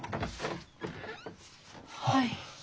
はい。